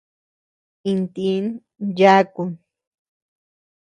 Intin yakun.